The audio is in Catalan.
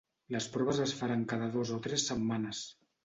Les proves es faran cada dos o tres setmanes.